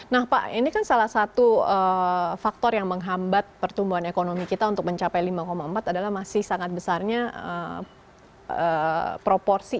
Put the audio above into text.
nah pak ini kan salah satu faktor yang menghambat pertumbuhan ekonomi kita untuk mencapai lima empat adalah masih sangat besarnya proporsi